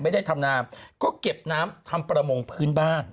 ไม่ได้ทำนาก็เก็บน้ำทำประมงพื้นบ้าน